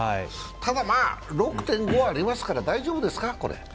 ただまあ、６．５ありますから大丈夫ですか、これ。